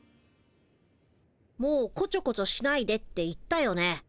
もうこちょこちょしないでって言ったよね？